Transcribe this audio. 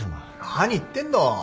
何言ってんの